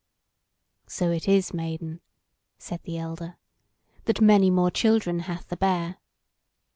"So it is, Maiden," said the elder, "that many more children hath the Bear."